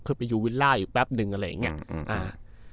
ไปอยู่วิลล่าอยู่แป๊บนึงอะไรอย่างเงี้ยอืมอ่า